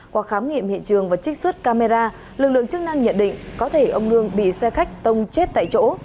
qua khám nghiệm hiện trường và trích xuất camera lực lượng chức năng nhận định có thể ông lương bị xe khách tông chết tại chỗ